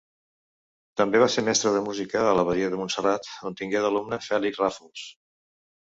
També va ser mestre de música a l'abadia de Montserrat, on tingué d'alumne Fèlix Ràfols.